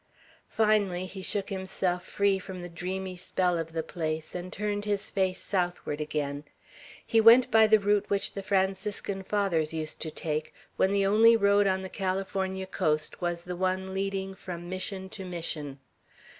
Finally he shook himself free from the dreamy spell of the place, and turned his face southward again. He went by the route which the Franciscan Fathers used to take, when the only road on the California coast was the one leading from Mission to Mission.